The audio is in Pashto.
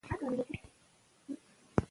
انګریزان تل د خپلو ګټو په لټه کي وي.